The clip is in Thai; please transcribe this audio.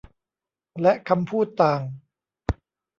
และคำพูดต่าง